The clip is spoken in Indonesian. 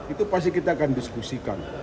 itu pasti kita akan diskusikan